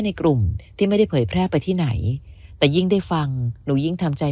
ในกลุ่มที่ไม่ได้เผยแพร่ไปที่ไหนแต่ยิ่งได้ฟังหนูยิ่งทำใจ